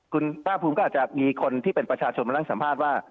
คุณภาคภูมิก็อาจจะมีคนที่เป็นประชาชนมานั่งสัมภาษณ์ว่า